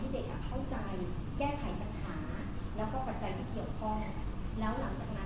เราจะต้องสอนเราจะพยายามสอนให้เด็กเข้าใจแก้ไขปัญหาแล้วก็กระจายสักเกี่ยวข้อ